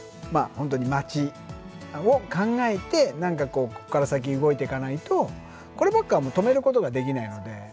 本当に町を考えて何かこうこっから先動いてかないとこればっかは止めることができないので。